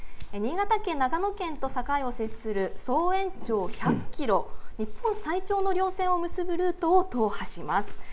新潟県、長野県と境がある総延長１００ｋｍ日本最長のりょう線を結ぶルートを踏破します。